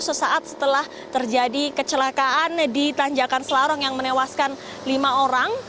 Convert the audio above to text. sesaat setelah terjadi kecelakaan di tanjakan selarong yang menewaskan lima orang